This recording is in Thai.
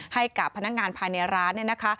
ให้กับพนักงานภายในร้าน